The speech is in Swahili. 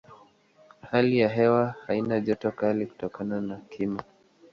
Hali ya hewa haina joto kali kutokana na kimo.